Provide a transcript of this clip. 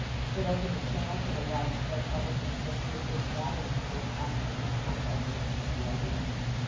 It opened a channel for the widespread public interest which was gathering towards astronomical subjects to flow in."